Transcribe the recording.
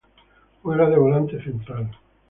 Juega de volante central.